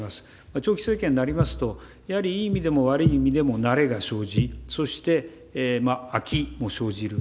長期政権になりますと、やはりいい意味でも、悪い意味でも慣れが生じ、そして飽きも生じる。